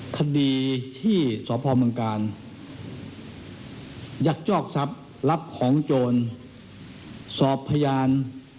คดีที่สพการยักษ์จ้อกทรัพย์รับของโจรสอบพยาน